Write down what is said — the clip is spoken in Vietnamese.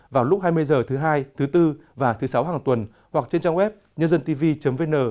vào lúc hai mươi h thứ hai thứ bốn và thứ sáu hàng tuần hoặc trên trang web nhândântv vn